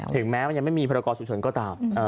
ถึงแม้มันยังไม่มีพระราชกรสุดส่วนก็ตาม